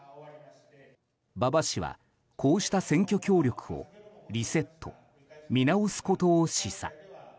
馬場氏は、こうした選挙協力をリセット、見直すことを示唆。